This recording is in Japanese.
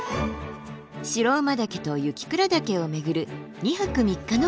白馬岳と雪倉岳を巡る２泊３日の山旅。